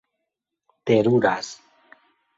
teruras